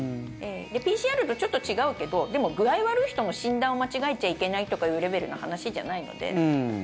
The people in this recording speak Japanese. ＰＣＲとちょっと違うけどでも、具合悪い人の診断を間違えちゃいけないとかいうレベルの話じゃないので。